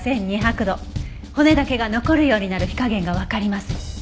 骨だけが残るようになる火加減がわかります。